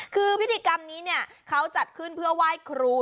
คือพิธีกรรมนี้เนี่ยเขาจัดขึ้นเพื่อไหว้ครู